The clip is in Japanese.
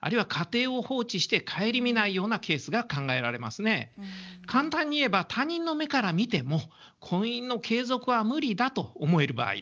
この判断にあたっては簡単に言えば他人の目から見ても婚姻の継続は無理だと思える場合です。